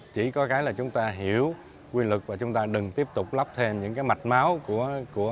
chỉ có cái là chúng ta hiểu quy lực và chúng ta đừng tiếp tục lắp thêm những cái mạch máu của